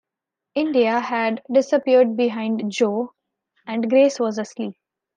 India had disappeared behind Jo, and Grace was asleep.